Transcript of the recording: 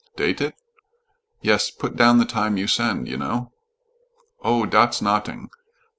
"Date it?" "Yes. Put down the time you send, you know." "Oh, dat's not'ing.